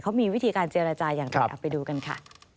เขามีวิธีการเจรจาอย่างไรเอาไปดูกันค่ะ